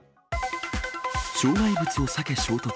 障害物を避け衝突。